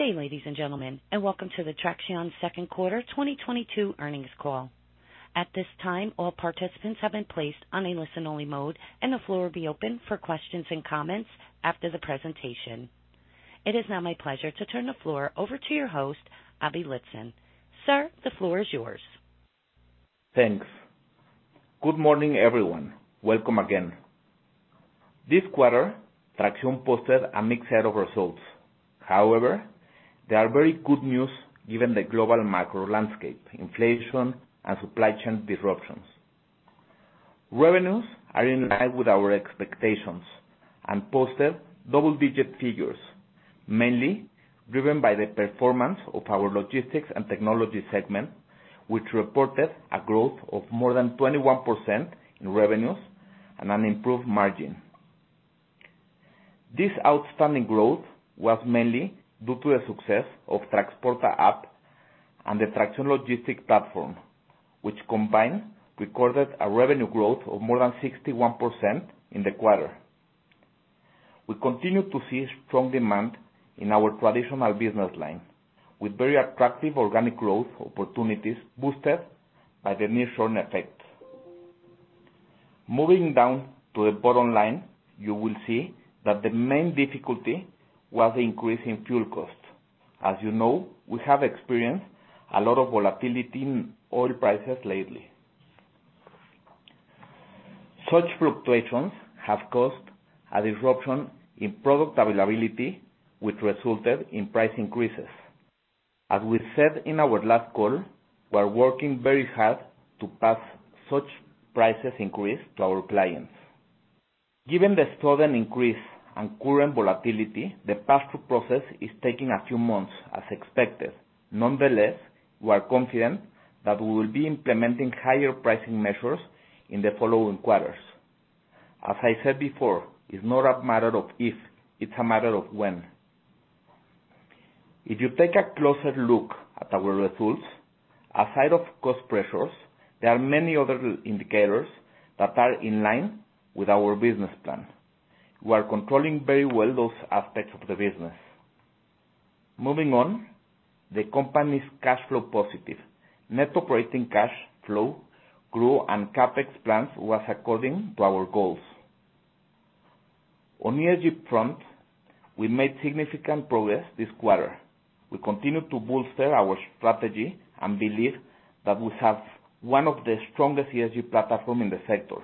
Good day, ladies and gentlemen, and welcome to the TRAXION second quarter 2022 earnings call. At this time, all participants have been placed on a listen-only mode, and the floor will be open for questions and comments after the presentation. It is now my pleasure to turn the floor over to your host, Aby Lijtszain. Sir, the floor is yours. Thanks. Good morning, everyone. Welcome again. This quarter, TRAXION posted a mixed set of results. However, they are very good news given the global macro landscape, inflation and supply chain disruptions. Revenues are in line with our expectations and posted double-digit figures, mainly driven by the performance of our logistics and technology segment, which reported a growth of more than 21% in revenues and an improved margin. This outstanding growth was mainly due to the success of Traxporta app and the TRAXION logistics platform, which combined, recorded a revenue growth of more than 61% in the quarter. We continue to see strong demand in our traditional business line, with very attractive organic growth opportunities boosted by the nearshoring effect. Moving down to the bottom line, you will see that the main difficulty was the increase in fuel costs. As you know, we have experienced a lot of volatility in oil prices lately. Such fluctuations have caused a disruption in product availability, which resulted in price increases. As we said in our last call, we are working very hard to pass such price increases to our clients. Given the sudden increase and current volatility, the pass-through process is taking a few months as expected. Nonetheless, we are confident that we will be implementing higher pricing measures in the following quarters. As I said before, it's not a matter of if, it's a matter of when. If you take a closer look at our results, aside from cost pressures, there are many other indicators that are in line with our business plan. We are controlling very well those aspects of the business. Moving on, the company is cash flow positive. Net operating cash flow grew and CapEx plans was according to our goals. On ESG front, we made significant progress this quarter. We continue to bolster our strategy and believe that we have one of the strongest ESG platform in the sector.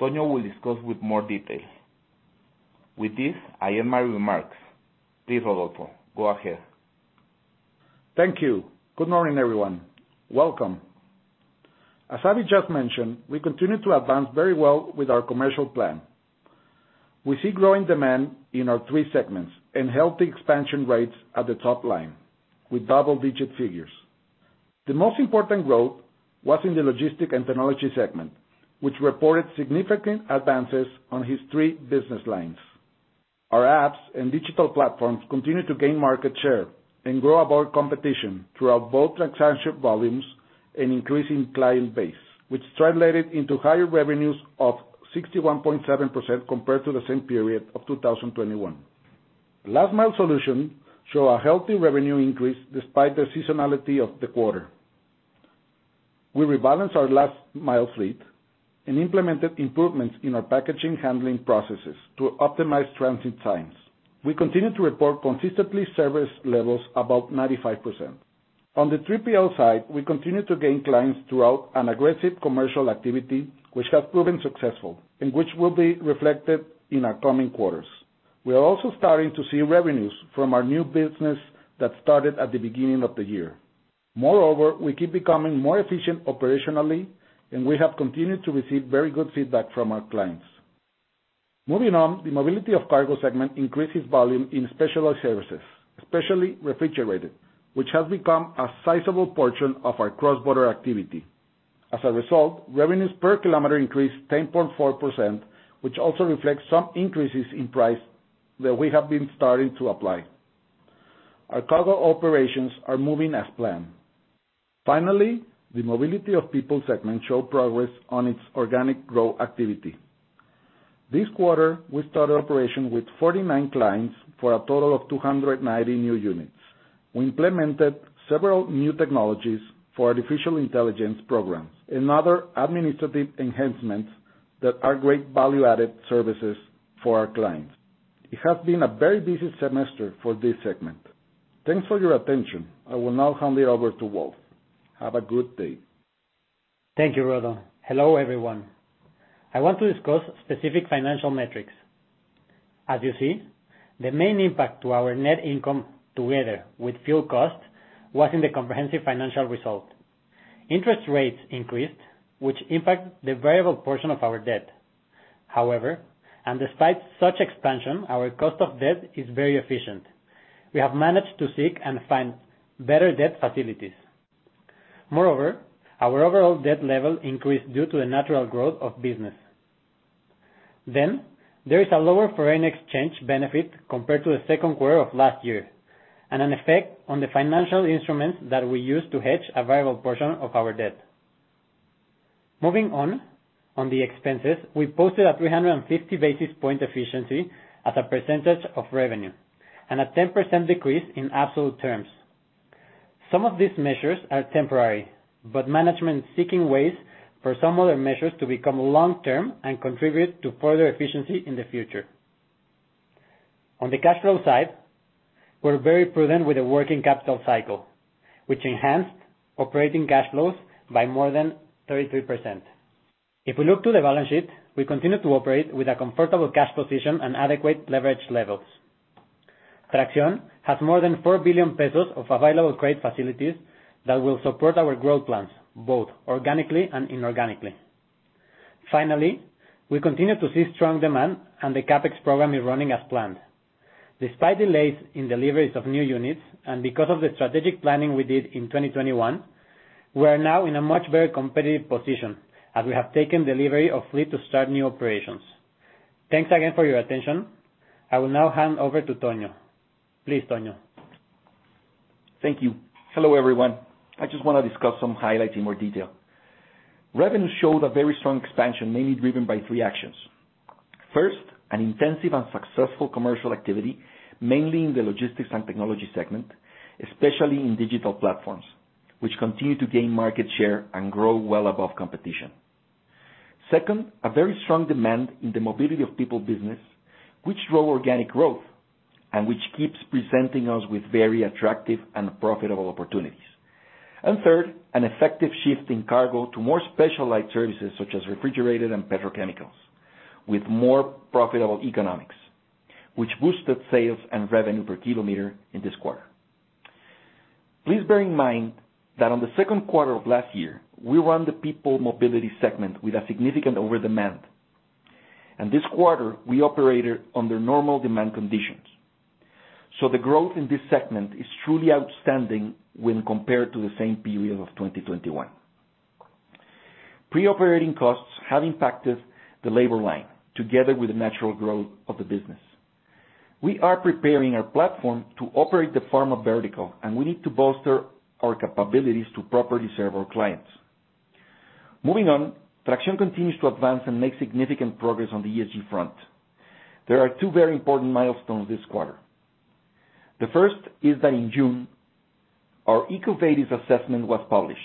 Tonio will discuss with more details. With this, I end my remarks. Please, Rodolfo, go ahead. Thank you. Good morning, everyone. Welcome. As Aby just mentioned, we continue to advance very well with our commercial plan. We see growing demand in our three segments and healthy expansion rates at the top line with double-digit figures. The most important growth was in the Logistics and Technology segment, which reported significant advances on its three business lines. Our apps and digital platforms continue to gain market share and outgrow our competition throughout both transaction volumes and increasing client base, which translated into higher revenues of 61.7% compared to the same period of 2021. Last mile solutions show a healthy revenue increase despite the seasonality of the quarter. We rebalanced our last mile fleet and implemented improvements in our packaging handling processes to optimize transit times. We continue to report consistently service levels above 95%. On the 3PL side, we continue to gain clients throughout an aggressive commercial activity, which has proven successful and which will be reflected in our coming quarters. We are also starting to see revenues from our new business that started at the beginning of the year. Moreover, we keep becoming more efficient operationally, and we have continued to receive very good feedback from our clients. Moving on, the mobility of cargo segment increases volume in specialized services, especially refrigerated, which has become a sizable portion of our cross-border activity. As a result, revenues per kilometer increased 10.4%, which also reflects some increases in price that we have been starting to apply. Our cargo operations are moving as planned. Finally, the mobility of people segment show progress on its organic growth activity. This quarter, we started operation with 49 clients for a total of 290 new units. We implemented several new technologies for artificial intelligence programs and other administrative enhancements that are great value-added services for our clients. It has been a very busy semester for this segment. Thanks for your attention. I will now hand it over to Wolf. Have a good day. Thank you, Rodo. Hello, everyone. I want to discuss specific financial metrics. As you see, the main impact to our net income together with fuel costs was in the comprehensive financial result. Interest rates increased, which impact the variable portion of our debt. However, and despite such expansion, our cost of debt is very efficient. We have managed to seek and find better debt facilities. Moreover, our overall debt level increased due to the natural growth of business. There is a lower foreign exchange benefit compared to the second quarter of last year, and an effect on the financial instruments that we use to hedge a variable portion of our debt. Moving on the expenses, we posted a 350 basis point efficiency as a percentage of revenue and a 10% decrease in absolute terms. Some of these measures are temporary, but management is seeking ways for some other measures to become long-term and contribute to further efficiency in the future. On the cash flow side, we're very prudent with the working capital cycle, which enhanced operating cash flows by more than 33%. If we look to the balance sheet, we continue to operate with a comfortable cash position and adequate leverage levels. TRAXION has more than 4 billion pesos of available credit facilities that will support our growth plans, both organically and inorganically. Finally, we continue to see strong demand and the CapEx program is running as planned. Despite delays in deliveries of new units and because of the strategic planning we did in 2021, we are now in a much very competitive position as we have taken delivery of fleet to start new operations. Thanks again for your attention. I will now hand over to Tonio. Please, Tonio. Thank you. Hello, everyone. I just wanna discuss some highlights in more detail. Revenue showed a very strong expansion, mainly driven by three actions. First, an intensive and successful commercial activity, mainly in the Logistics and Technology segment, especially in digital platforms, which continue to gain market share and grow well above competition. Second, a very strong demand in the Mobility of People business, which drove organic growth and which keeps presenting us with very attractive and profitable opportunities. And third, an effective shift in cargo to more specialized services such as refrigerated and petrochemicals with more profitable economics, which boosted sales and revenue per kilometer in this quarter. Please bear in mind that on the second quarter of last year, we won the People Mobility segment with a significant over-demand. This quarter, we operated under normal demand conditions. The growth in this segment is truly outstanding when compared to the same period of 2021. Pre-operating costs have impacted the labor line together with the natural growth of the business. We are preparing our platform to operate the pharma vertical, and we need to bolster our capabilities to properly serve our clients. Moving on, TRAXION continues to advance and make significant progress on the ESG front. There are two very important milestones this quarter. The first is that in June, our EcoVadis assessment was published.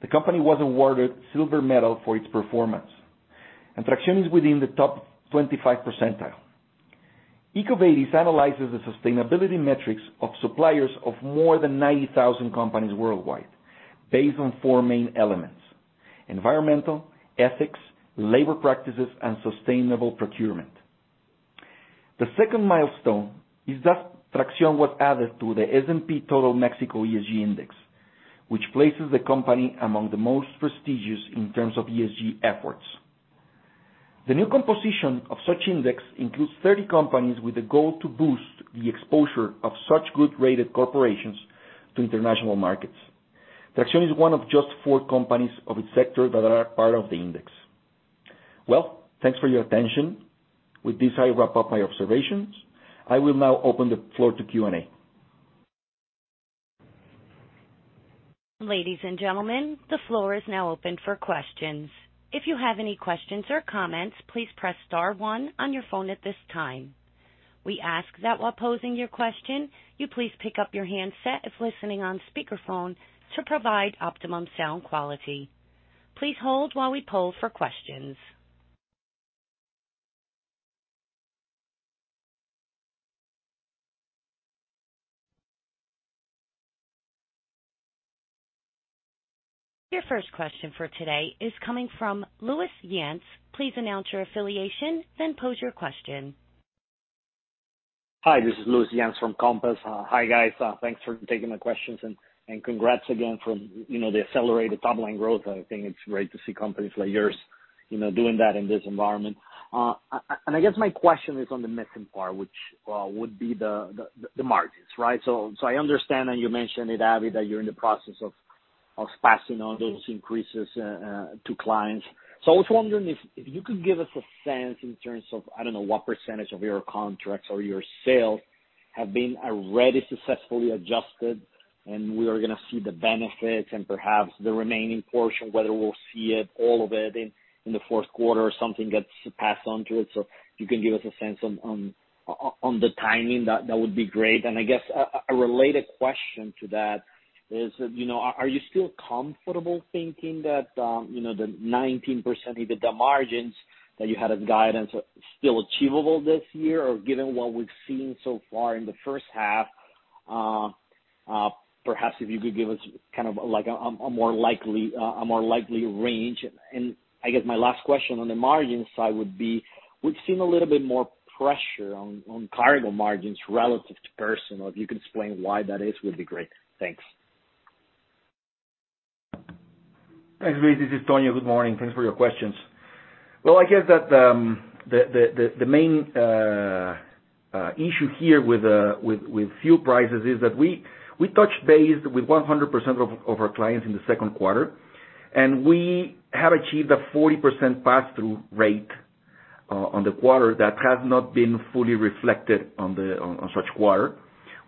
The company was awarded silver medal for its performance, and TRAXION is within the top 25 percentile. EcoVadis analyzes the sustainability metrics of suppliers of more than 90,000 companies worldwide based on four main elements, environmental, ethics, labor practices, and sustainable procurement. The second milestone is that TRAXION was added to the S&P/BMV Total Mexico ESG Index, which places the company among the most prestigious in terms of ESG efforts. The new composition of such index includes 30 companies with a goal to boost the exposure of such good rated corporations to international markets. TRAXION is one of just four companies of its sector that are a part of the index. Well, thanks for your attention. With this, I wrap up my observations. I will now open the floor to Q&A. Ladies and gentlemen, the floor is now open for questions. If you have any questions or comments, please press star one on your phone at this time. We ask that while posing your question, you please pick up your handset if listening on speakerphone to provide optimum sound quality. Please hold while we poll for questions. Your first question for today is coming from Luis Yance. Please announce your affiliation, then pose your question. Hi, this is Luis Yance from Compass. Hi, guys. Thanks for taking my questions and congrats again on, you know, the accelerated top-line growth. I think it's great to see companies like yours, you know, doing that in this environment. I guess my question is on the missing part, which would be the margins, right? I understand, and you mentioned it, Aby, that you're in the process of passing on those increases to clients. I was wondering if you could give us a sense in terms of, I don't know, what percentage of your contracts or your sales have been already successfully adjusted and we are gonna see the benefits and perhaps the remaining portion, whether we'll see it, all of it in the fourth quarter or something gets passed on to it. If you can give us a sense on the timing, that would be great. I guess a related question to that is, you know, are you still comfortable thinking that, you know, the 19% EBITDA margins that you had as guidance are still achievable this year? Or given what we've seen so far in the first half, perhaps if you could give us kind of like a more likely range. I guess my last question on the margin side would be, we've seen a little bit more pressure on cargo margins relative to passenger. If you could explain why that is, would be great. Thanks. Thanks, Luis. This is Tonio. Good morning. Thanks for your questions. Well, I guess that the main issue here with fuel prices is that we touched base with 100% of our clients in the second quarter, and we have achieved a 40% pass-through rate on the quarter that has not been fully reflected in such quarter.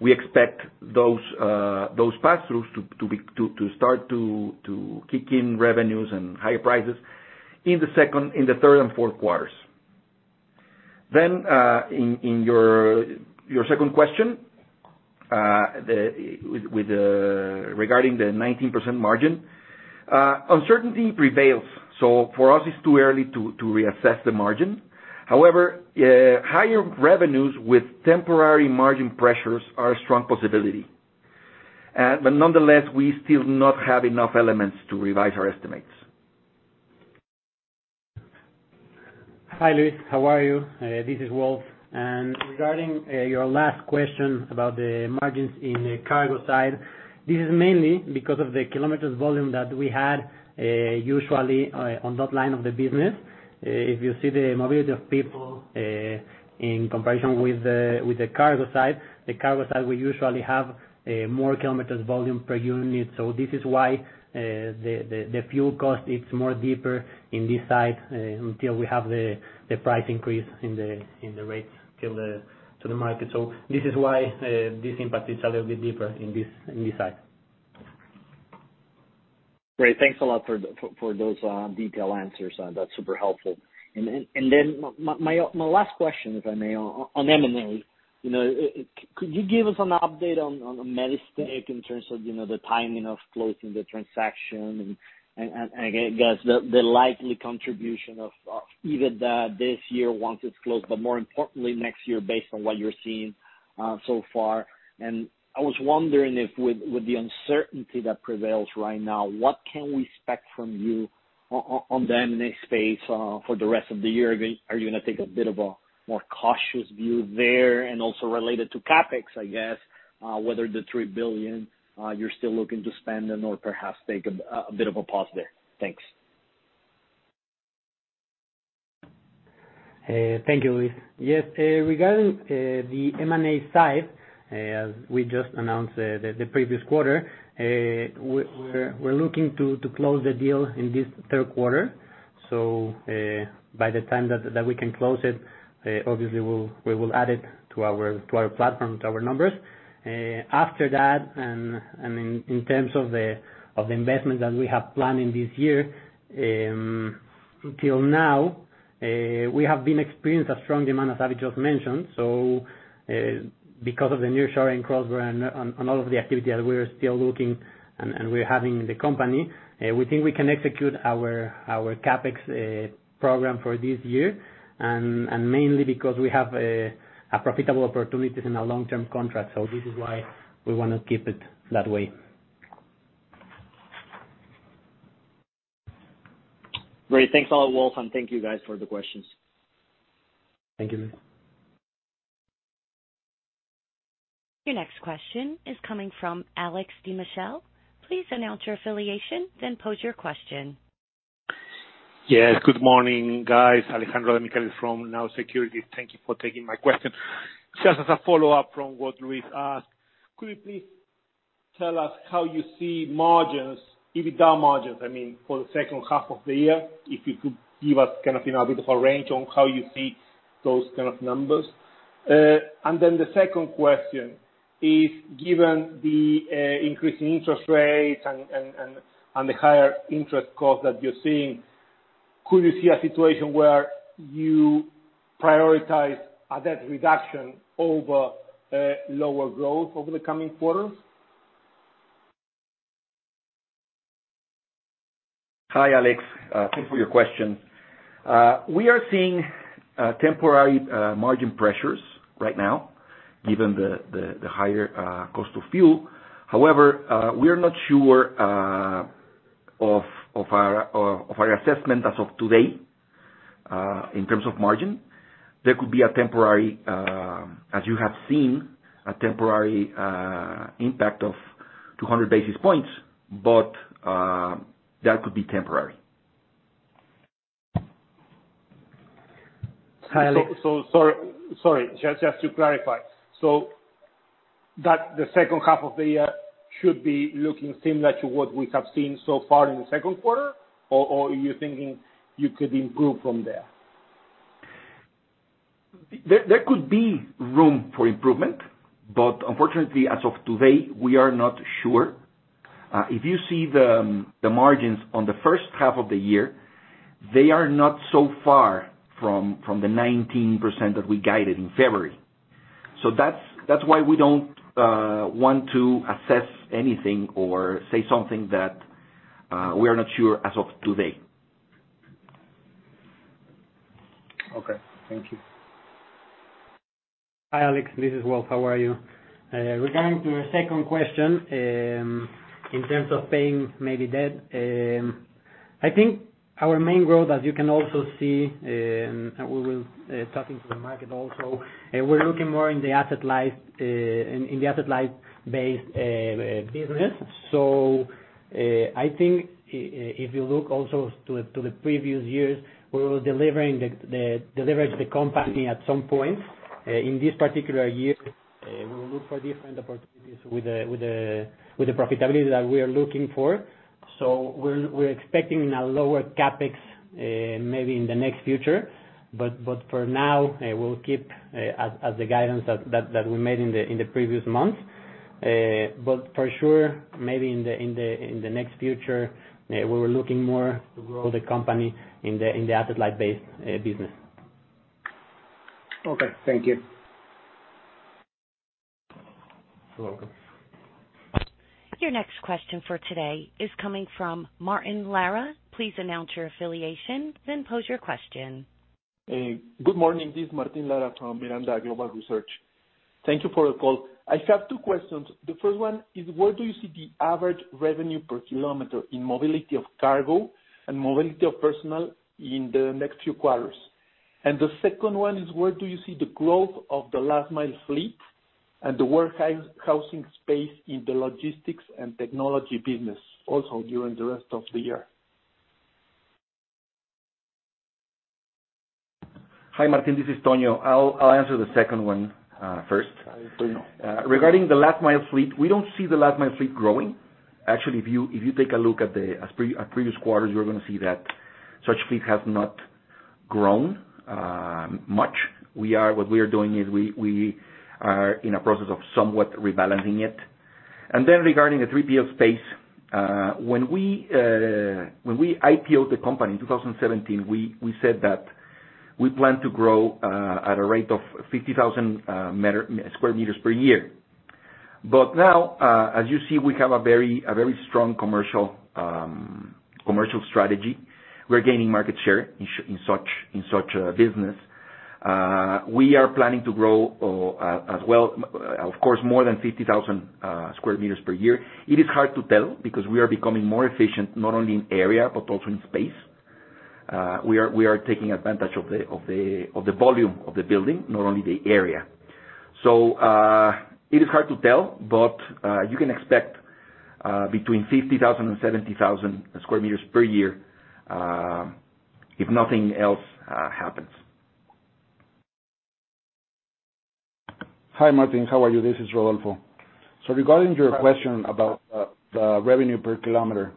We expect those pass-throughs to start to kick in revenues and higher prices in the third and fourth quarters. In your second question, regarding the 19% margin, uncertainty prevails. For us, it's too early to reassess the margin. However, higher revenues with temporary margin pressures are a strong possibility. We still not have enough elements to revise our estimates. Hi, Luis. How are you? This is Wolf. Regarding your last question about the margins in the cargo side, this is mainly because of the kilometers volume that we had, usually, on that line of the business. If you see the mobility of people, in comparison with the cargo side, the cargo side will usually have more kilometers volume per unit. This is why the fuel cost it's more deeper in this side, until we have the price increase in the rates to the market. This is why this impact is a little bit deeper in this side. Great. Thanks a lot for those detailed answers. That's super helpful. Then my last question, if I may, on M&A. You know, could you give us an update on the Medistik in terms of, you know, the timing of closing the transaction and, I guess, the likely contribution of either this year once it's closed, but more importantly, next year, based on what you're seeing so far. I was wondering if with the uncertainty that prevails right now, what can we expect from you on the M&A space for the rest of the year? Are you gonna take a bit of a more cautious view there? Also related to CapEx, I guess, whether the 3 billion you're still looking to spend or perhaps take a bit of a pause there. Thanks. Thank you, Luis. Yes, regarding the M&A side, we just announced in the previous quarter, we're looking to close the deal in this third quarter. By the time that we can close it, obviously, we will add it to our platform, to our numbers. After that, in terms of the investment that we have planned in this year, until now, we have experienced a strong demand, as Aby just mentioned. Because of the nearshoring cross-border and all of the activity that we're still looking and we're having in the company, we think we can execute our CapEx program for this year, and mainly because we have profitable opportunities in our long-term contract. This is why we wanna keep it that way. Great. Thanks a lot, Wolf, and thank you, guys, for the questions. Thank you. Your next question is coming from Alejandro Demichelis. Please announce your affiliation, then pose your question. Yes. Good morning, guys. Alejandro Demichelis from Nau Securities. Thank you for taking my question. Just as a follow-up from what Luis asked, could you please tell us how you see margins, EBITDA margins, I mean, for the second half of the year? If you could give us kind of, you know, a bit of a range on how you see those kind of numbers. And then the second question is, given the increasing interest rates and the higher interest costs that you're seeing, could you see a situation where you prioritize a debt reduction over lower growth over the coming quarters? Hi, Alex. Thank you for your question. We are seeing temporary margin pressures right now, given the higher cost of fuel. However, we are not sure of our assessment as of today in terms of margin. There could be a temporary, as you have seen, temporary impact of 200 basis points, but that could be temporary. Hi, Alex. Sorry. Just to clarify. That the second half of the year should be looking similar to what we have seen so far in the second quarter, or are you thinking you could improve from there? There could be room for improvement, but unfortunately, as of today, we are not sure. If you see the margins on the first half of the year, they are not so far from the 19% that we guided in February. That's why we don't want to assess anything or say something that we are not sure as of today. Okay. Thank you. Hi, Alex. This is Wolf. How are you? Regarding to your second question, in terms of paying maybe debt, I think our main growth, as you can also see, and we will talking to the market also, we're looking more in the asset-light, in the asset-light base business. I think if you look also to the previous years, we were deleveraging the company at some point. In this particular year, we will look for different opportunities with the profitability that we are looking for. We're expecting a lower CapEx, maybe in the next future, but for now, we'll keep as the guidance that we made in the previous months. For sure, maybe in the next future, we were looking more to grow the company in the asset-light base business. Okay. Thank you. You're welcome. Your next question for today is coming from Martin Lara. Please announce your affiliation, then pose your question. Good morning. This is Martin Lara from Miranda Global Research. Thank you for the call. I have two questions. The first one is, where do you see the average revenue per kilometer in mobility of cargo and mobility of personnel in the next few quarters? The second one is, where do you see the growth of the last mile fleet and the warehousing space in the logistics and technology business also during the rest of the year? Hi, Martin. This is Tonio. I'll answer the second one first. Please. Regarding the last mile fleet, we don't see the last mile fleet growing. Actually, if you take a look at previous quarters, you're gonna see that such fleet has not grown much. What we are doing is we are in a process of somewhat rebalancing it. Regarding the 3PL space, when we IPO-ed the company in 2017, we said that we plan to grow at a rate of 50,000 sq m per year. Now, as you see, we have a very strong commercial strategy. We're gaining market share in such a business. We are planning to grow, as well, of course, more than 50,000 sq m per year. It is hard to tell because we are becoming more efficient not only in area but also in space. We are taking advantage of the volume of the building, not only the area. It is hard to tell, but you can expect between 50,000 sq m and 70,000 sq m per year, if nothing else happens. Hi, Martin. How are you? This is Rodolfo. Regarding your question about the revenue per kilometer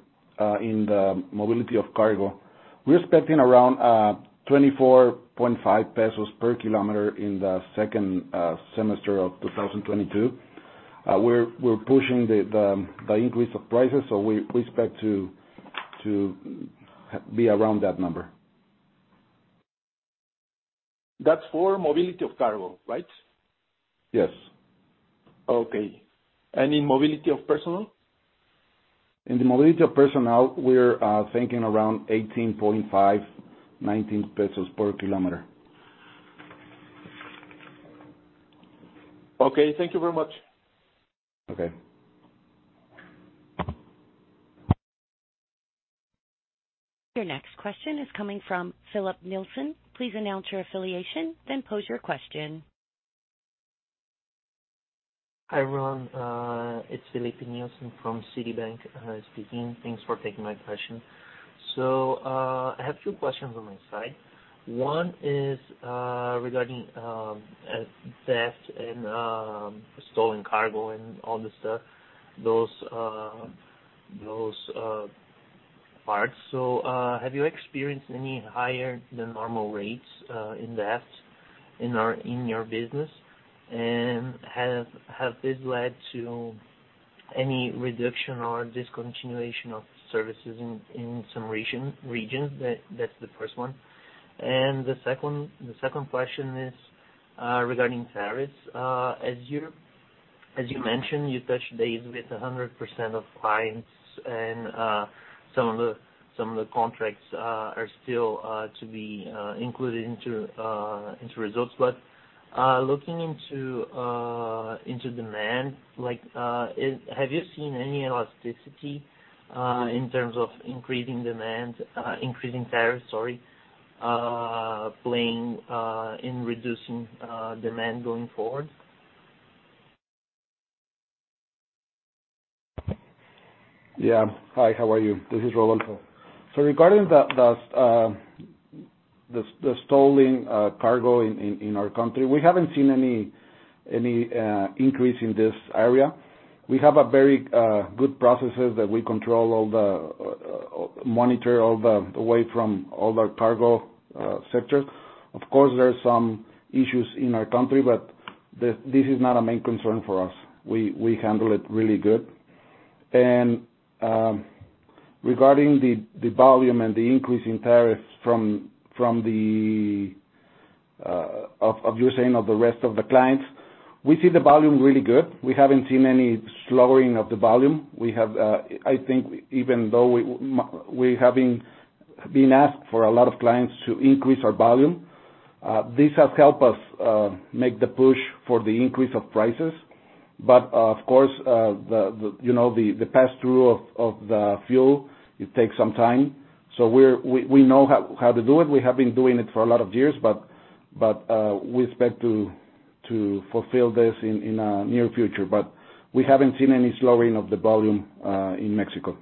in the mobility of cargo, we're expecting around 24.5 pesos per km in the second semester of 2022. We're pushing the increase of prices, so we expect to be around that number. That's for mobility of cargo, right? Yes. Okay. Any mobility of personnel? In the mobility of personnel, we're thinking around 18.5 per km-MXN 19 per km. Okay. Thank you very much. Okay. Your next question is coming from Filipe Nielsen. Please announce your affiliation, then pose your question. Hi, Ron. It's Filipe Nielsen from Citibank, speaking. Thanks for taking my question. I have two questions on my side. One is regarding theft and stolen cargo and all that stuff, those parts. Have you experienced any higher than normal rates in theft in your business? Has this led to any reduction or discontinuation of services in some regions? That's the first one. The second question is regarding tariffs. As you mentioned, you touched base with 100% of clients and some of the contracts are still to be included into results. Looking into demand, like, have you seen any elasticity in terms of increasing demand, increasing tariffs, sorry, playing in reducing demand going forward? Yeah. Hi, how are you? This is Rodolfo. Regarding the stolen cargo in our country, we haven't seen any increase in this area. We have a very good processes that we monitor all the way from all the cargo sectors. Of course, there are some issues in our country, but this is not a main concern for us. We handle it really good. Regarding the volume and the increase in tariffs from the rest of the clients, we see the volume really good. We haven't seen any slowing of the volume. I think even though we have been asked by a lot of clients to increase our volume, this has helped us make the push for the increase of prices. Of course, you know, the pass-through of the fuel, it takes some time. We know how to do it. We have been doing it for a lot of years. We expect to fulfill this in a near future. We haven't seen any slowing of the volume in Mexico.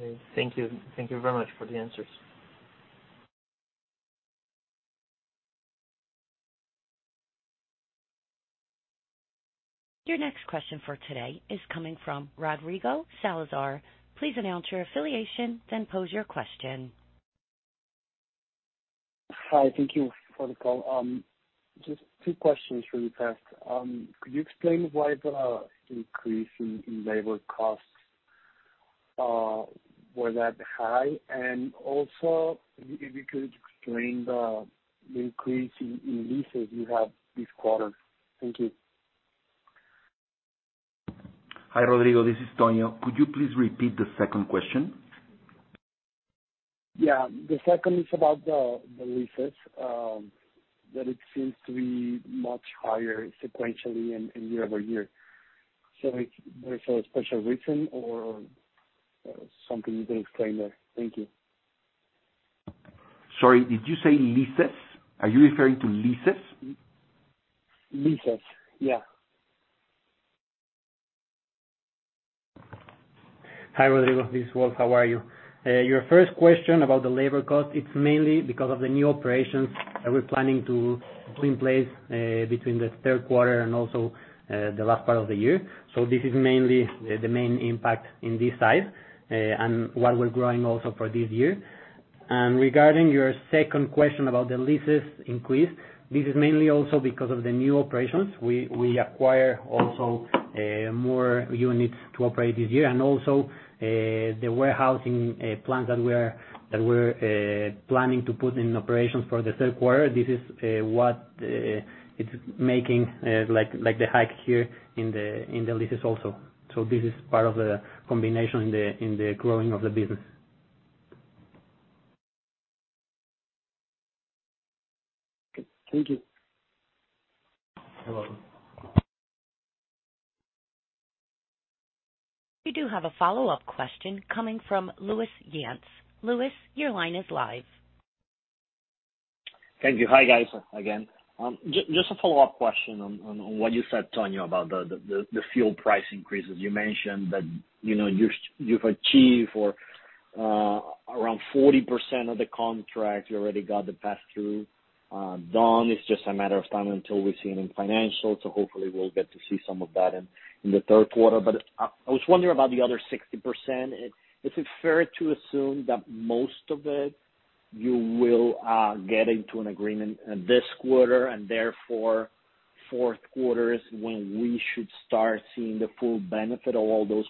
Okay. Thank you. Thank you very much for the answers. Your next question for today is coming from Rodrigo Salazar. Please announce your affiliation, then pose your question. Hi. Thank you for the call. Just two questions really fast. Could you explain why the increase in labor costs were that high? Also if you could explain the increase in leases you have this quarter. Thank you. Hi, Rodrigo, this is Tonio. Could you please repeat the second question? Yeah. The second is about the leases that it seems to be much higher sequentially and year-over-year. There's a special reason or something you can explain there. Thank you. Sorry, did you say leases? Are you referring to leases? Leases, yeah. Hi, Rodrigo, this is Wolf Silverstein. How are you? Your first question about the labor cost, it's mainly because of the new operations that we're planning to put in place, between the third quarter and also, the last part of the year. This is mainly the main impact in this side, and what we're growing also for this year. Regarding your second question about the leases increase, this is mainly also because of the new operations. We acquire also, more units to operate this year and also, the warehousing, plans that we're planning to put in operations for the third quarter. This is what it's making, like, the hike here in the leases also. This is part of the combination in the growing of the business. Thank you. You're welcome. We do have a follow-up question coming from Luis Yance. Luis, your line is live. Thank you. Hi, guys, again. Just a follow-up question on what you said, Tonio, about the fuel price increases. You mentioned that, you know, you've achieved around 40% of the contract you already got the pass-through done. It's just a matter of time until we see it in financials. Hopefully we'll get to see some of that in the third quarter. I was wondering about the other 60%. Is it fair to assume that most of it you will get into an agreement this quarter and therefore fourth quarter is when we should start seeing the full benefit of all those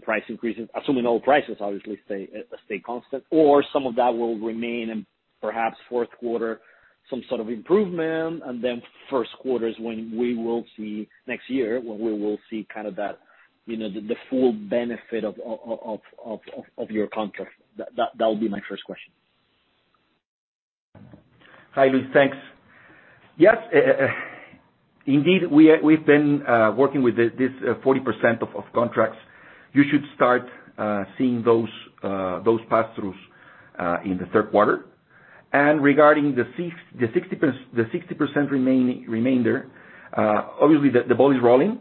price increases, you know, assuming oil prices obviously stay constant? Some of that will remain and perhaps fourth quarter some sort of improvement, and then first quarter is when we will see next year, when we will see kind of that, you know, the full benefit of your contract? That would be my first question. Hi, Luis. Thanks. Yes, indeed, we've been working with this 40% of contracts. You should start seeing those pass-throughs in the third quarter. Regarding the 60% remaining, obviously the ball is rolling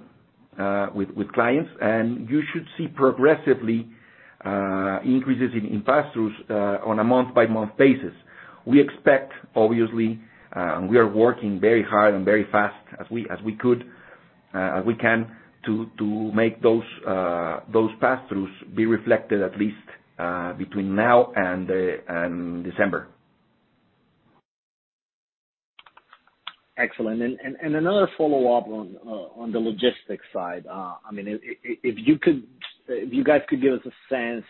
with clients, and you should see progressively increases in pass-throughs on a month-by-month basis. We expect, obviously, and we are working very hard and very fast as we can to make those pass-throughs be reflected at least between now and December. Excellent. Another follow-up on the logistics side. I mean, if you guys could give us a sense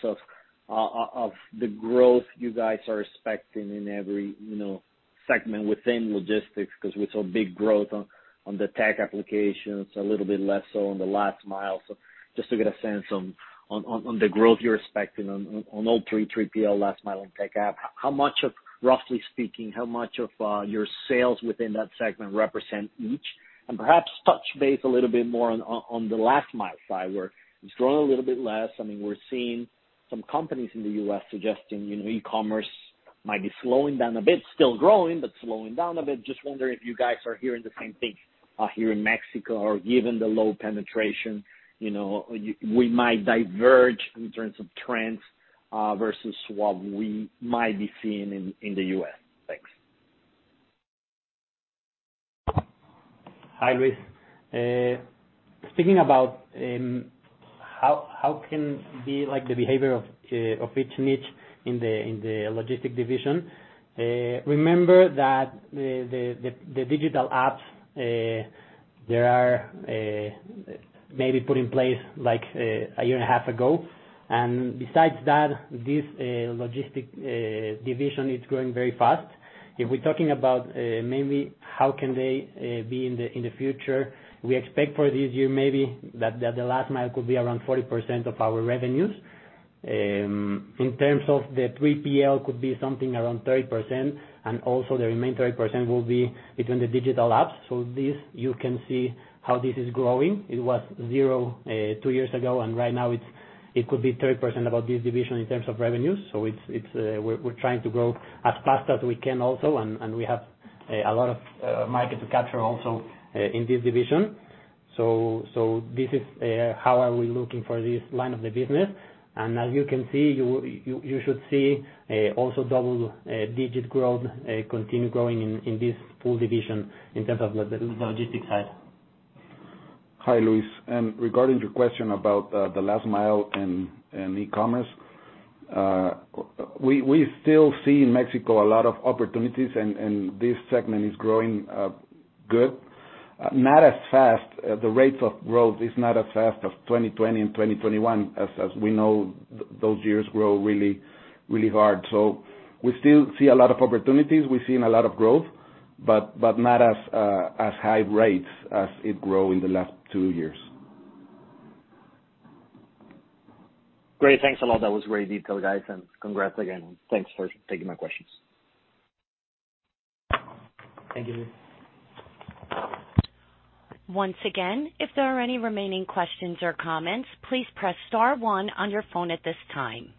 of the growth you guys are expecting in every segment within logistics, you know, 'cause we saw big growth on the tech applications, a little bit less so on the last mile. Just to get a sense on the growth you're expecting on all three, 3PL, last mile and tech app. Roughly speaking, how much of your sales within that segment represent each? Perhaps touch base a little bit more on the last mile side, where it's growing a little bit less. I mean, we're seeing some companies in the U.S. suggesting, you know, e-commerce might be slowing down a bit, still growing, but slowing down a bit. Just wondering if you guys are hearing the same thing here in Mexico or given the low penetration, you know, we might diverge in terms of trends versus what we might be seeing in the U.S. Thanks. Hi, Luis. Speaking about how can be like the behavior of each niche in the logistic division, remember that the digital apps there are maybe put in place like a year and a half ago. Besides that, this logistic division is growing very fast. If we're talking about maybe how can they be in the future, we expect for this year maybe that the last mile could be around 40% of our revenues. In terms of the 3PL could be something around 30%, and also the remaining 10% will be between the digital apps. This, you can see how this is growing. It was zero, two years ago, and right now it could be 30% of this division in terms of revenues. We're trying to grow as fast as we can also. We have a lot of market to capture also in this division. This is how we're looking at this line of the business. As you can see, you should see also double-digit growth continue growing in this whole division in terms of the logistics side. Hi, Luis. Regarding your question about the last mile and e-commerce, we still see in Mexico a lot of opportunities and this segment is growing good. Not as fast. The rates of growth is not as fast as 2020 and 2021. As we know, those years grow really hard. We still see a lot of opportunities. We've seen a lot of growth, but not as high rates as it grow in the last two years. Great. Thanks a lot. That was great detail, guys. Congrats again, and thanks for taking my questions. Thank you. Once again, if there are any remaining questions or comments, please press star one on your phone at this time.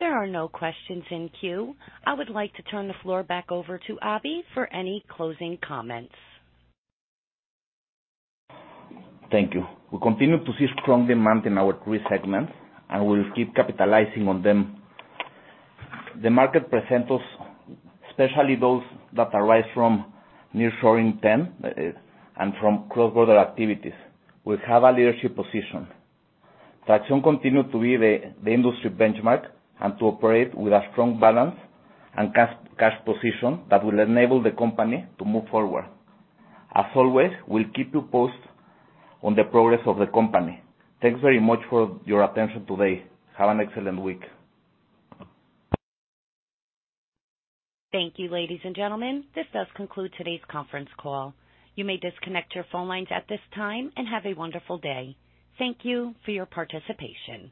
There are no questions in queue. I would like to turn the floor back over to Aby for any closing comments. Thank you. We continue to see strong demand in our three segments, and we'll keep capitalizing on them. The market presents us, especially those that arise from nearshoring trend, and from cross-border activities. We have a leadership position. TRAXION continues to be the industry benchmark and to operate with a strong balance sheet and cash position that will enable the company to move forward. As always, we'll keep you posted on the progress of the company. Thanks very much for your attention today. Have an excellent week. Thank you, ladies and gentlemen. This does conclude today's conference call. You may disconnect your phone lines at this time, and have a wonderful day. Thank you for your participation.